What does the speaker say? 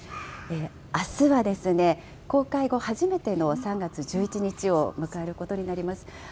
あすは公開後初めての３月１１日を迎えることになります。